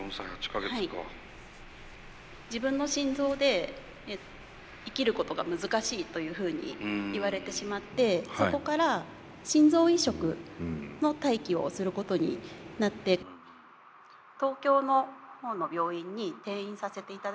自分の心臓で生きることが難しいというふうに言われてしまってそこから心臓移植の待機をすることになって東京の方の病院に転院させていただいて。